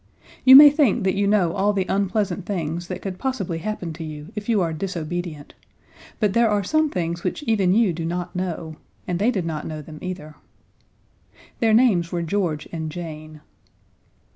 You may think that you know all the unpleasant things that could possibly happen to you if you are disobedient, but there are some things which even you do not know, and they did not know them either. Their names were George and Jane.